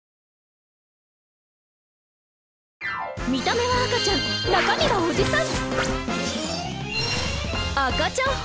見た目は赤ちゃん中身はおじさん！